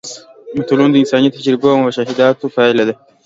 متلونه د انساني تجربو او مشاهداتو پایله ده